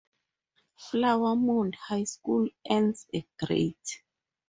Flower Mound High School earns a Great!